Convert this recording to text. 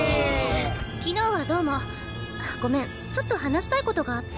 昨日はどうもごめんちょっと話したいことがあって。